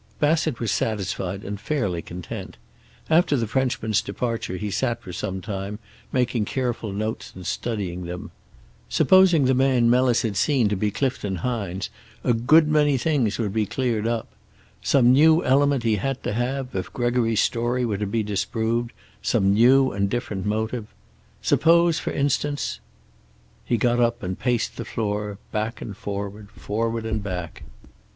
Bassett was satisfied and fairly content. After the Frenchman's departure he sat for some time, making careful notes and studying them. Supposing the man Melis had seen to be Clifton Hines, a good many things would be cleared up. Some new element he had to have, if Gregory's story were to be disproved, some new and different motive. Suppose, for instance... He got up and paced the floor back and forward, forward and back.